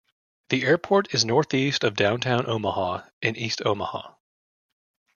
The airport is northeast of downtown Omaha in east Omaha.